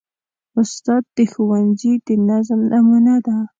استاد د ښوونځي د نظم نمونه ده.